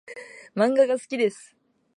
漫画が好きです。